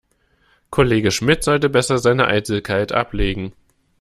Kollege Schmidt sollte besser seine Eitelkeit ablegen.